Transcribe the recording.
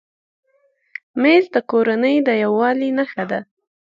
مېز د کورنۍ د یووالي نښه ده.